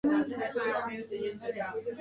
可享二十元优惠